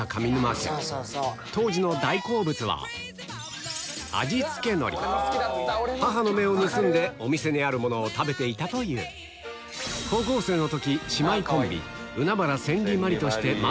家当時の大好物は母の目を盗んでお店にあるものを食べていたという高校生の